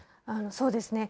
そうですね。